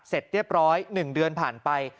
เสร็จเรียบร้อย๑เดือนผ่านไป